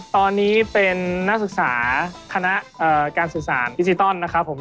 ตอนนี้เป็นนักศึกษาคณะการสื่อสารดิจิตอลนะครับผม